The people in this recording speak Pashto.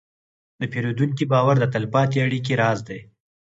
د پیرودونکي باور د تلپاتې اړیکې راز دی.